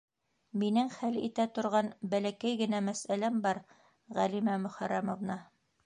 - Минең хәл итә торған бәләкәй генә мәсьәләм бар, Ғәлимә Мөхәррәмовна.